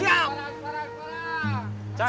semarang semarang semarang